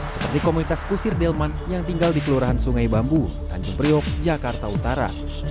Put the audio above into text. seperti komunitas kusir delman yang tinggal di kelurahan sungai bambu tanjung priok jakarta utara